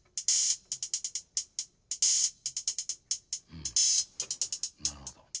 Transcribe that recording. うんなるほど。